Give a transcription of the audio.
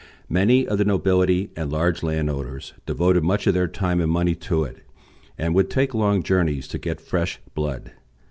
Many of the nobility and large landowners devoted much of their time and money to it, and would take long journeys to get fresh blood.